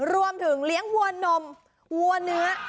รวมถึงเลี้ยงหัวนมหัวเนื้อ